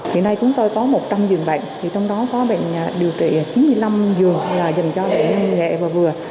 hiện nay chúng tôi có một trăm linh giường bệnh trong đó có bệnh điều trị chín mươi năm giường là dành cho bệnh nhân nghệ và vừa